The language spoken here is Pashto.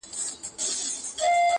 څوك به اخلي د پېړيو كساتونه!!